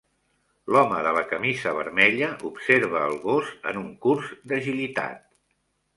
L'home de la camisa vermella observa el gos en un curs d'agilitat.